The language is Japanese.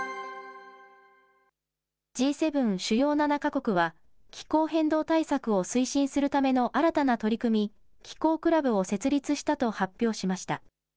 Ｇ７・主要７か国は、気候変動対策を推進するための新たな取り組み、気候クラブを設立したと発表しました。